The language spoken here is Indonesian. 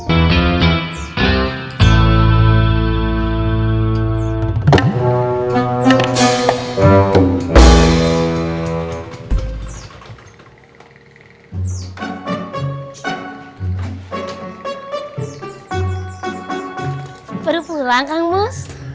itu ada beberapa era komunitas